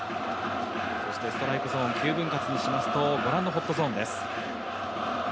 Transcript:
そしてストライクゾーン９分割にしますとご覧のホットゾーンです。